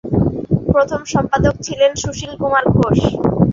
প্রথম সম্পাদক ছিলেন সুশীল কুমার ঘোষ।